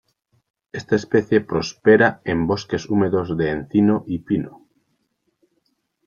Esta especie prospera en bosques húmedos de encino y pino.